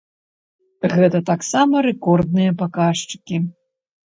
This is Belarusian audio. Гэта таксама рэкордныя паказчыкі.